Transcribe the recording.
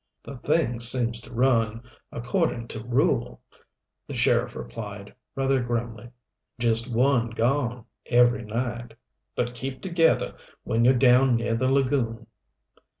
"The thing seems to run according to rule," the sheriff replied, rather grimly. "Just one gone every night. But keep together when you're down near the lagoon."